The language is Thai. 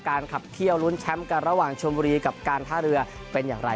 ขับเที่ยวลุ้นแชมป์กันระหว่างชมบุรีกับการท่าเรือเป็นอย่างไร